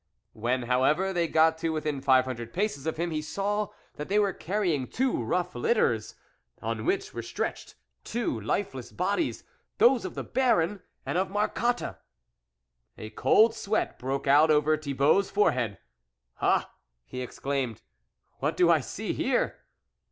When, however, they got to within five hundred paces of him, he saw that they were carrying two rough litters, on which were stretched two lifeless bodies, those of the Baron and of Marcotte. A cold sweat broke out over Thibault's forehead. " Ah !" he exclaimed, " What do I see here